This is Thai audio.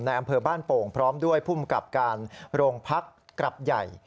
อำเภอบ้านโป่งพร้อมด้วยภูมิกับการโรงพักกลับใหญ่